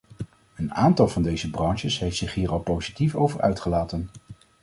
Een aantal van deze branches heeft zich hier al positief over uitgelaten.